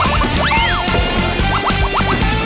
ออปเจ้า